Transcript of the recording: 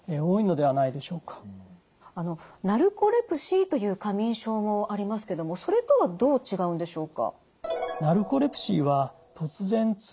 ナルコレプシーという過眠症もありますけどもそれとはどう違うんでしょうか？